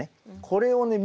これをね